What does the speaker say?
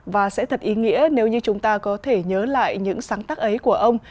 và sẽ thật ý nghĩa nếu như chúng ta có thể nhớ lại những sáng tác ấy của ông